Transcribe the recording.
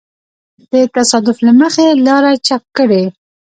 د تصادف له مخې لاره چپ کړي.